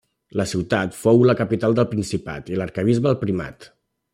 La ciutat fou la capital del principat i l'arquebisbe el primat.